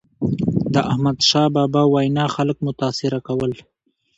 د احمدشاه بابا وینا خلک متاثره کول.